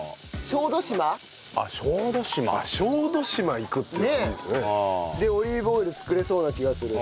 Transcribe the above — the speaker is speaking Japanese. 小豆島行くっていうのいいですね。でオリーブオイル作れそうな気がする。